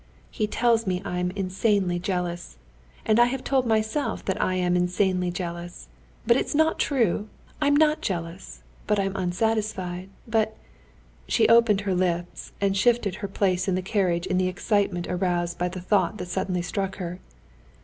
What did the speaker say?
He tells me I'm insanely jealous, and I have told myself that I am insanely jealous; but it's not true. I'm not jealous, but I'm unsatisfied. But...." she opened her lips, and shifted her place in the carriage in the excitement, aroused by the thought that suddenly struck her.